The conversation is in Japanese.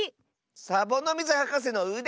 サボノミズはかせのうで！